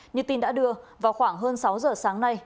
như tin đã đưa vào khoảng hơn sáu giờ sáng nay